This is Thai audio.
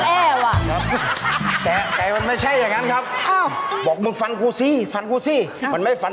อยากสบายอ๋อเพราะนอนตายแล้วสบายเลย